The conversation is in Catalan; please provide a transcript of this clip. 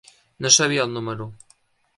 No sabia el número.